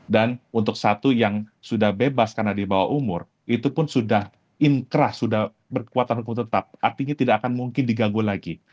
dan untuk satu yang sudah bebas karena dibawa umur itu pun sudah in keras sudah berkuatan tetap artinya tidak akan mungkin diganggu lagi